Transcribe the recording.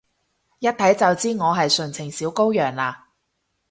一睇就知我係純情小羔羊啦？